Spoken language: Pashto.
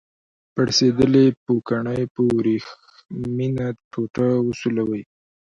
پړسیدلې پوکڼۍ په وریښمینه ټوټه وسولوئ.